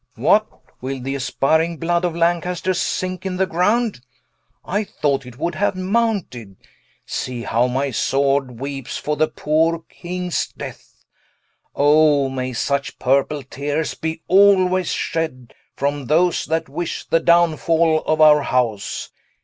Rich. What? will the aspiring blood of Lancaster Sinke in the ground? I thought it would haue mounted. See how my sword weepes for the poore Kings death. O may such purple teares be alway shed From those that wish the downfall of our house.